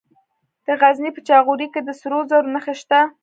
د غزني په جاغوري کې د سرو زرو نښې شته.